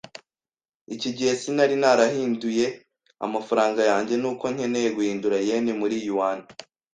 Iki gihe sinari narahinduye amafaranga yanjye, nuko nkeneye guhindura Yen muri Yuan.